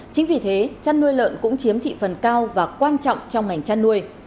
chính vì thế chăn nuôi lợn cũng chiếm thị phần cao và quan trọng trong ngành chăn nuôi